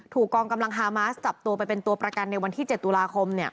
กองกำลังฮามาสจับตัวไปเป็นตัวประกันในวันที่๗ตุลาคม